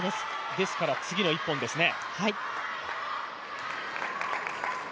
ですから次の１本ですね。